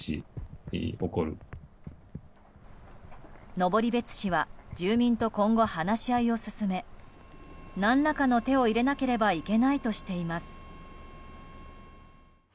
登別市は住民と今後、話し合いを進め何らかの手を入れなければいけないとしています。